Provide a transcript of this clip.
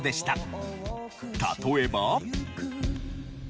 例えば。